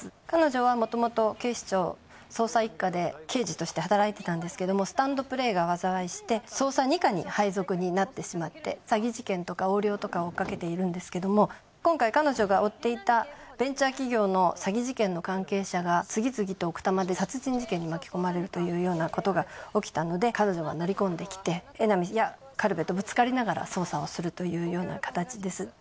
彼女はもともと警視庁捜査一課で刑事として働いてたんですけどもスタンドプレーが災いして捜査二課に配属になってしまって詐欺事件とか横領とかを追っかけているんですけども今回彼女が追っていたベンチャー企業の詐欺事件の関係者が次々と奥多摩で殺人事件に巻き込まれるというようなことが起きたので彼女が乗り込んできて江波や軽部とぶつかりながら捜査をするというような形です。